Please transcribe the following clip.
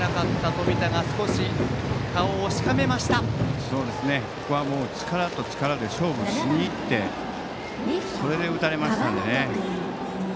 ここは力と力で勝負しにいってそれで打たれましたのでね。